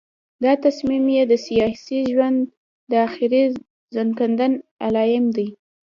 دا تصمیم یې د سیاسي ژوند د آخري ځنکدن علایم دي.